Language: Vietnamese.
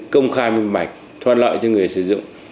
công khai minh mạch thoát lợi cho người sử dụng